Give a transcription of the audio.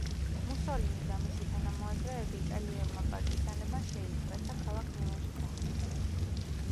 მუსოლინი და მისი თანამოაზრეები იტალიელმა პარტიზანებმა შეიპყრეს და ქალაქ მილანში დახვრიტეს.